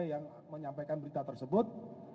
yang menyampaikan berita tersebut